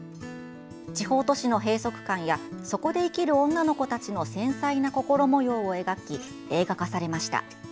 地方都市の閉塞感やそこで生きる女の子たちの繊細な心もようを描き映画化されました。